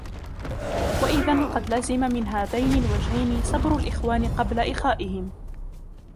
وَإِذًا قَدْ لَزِمَ مِنْ هَذَيْنِ الْوَجْهَيْنِ سَبْرُ الْإِخْوَانِ قَبْلَ إخَائِهِمْ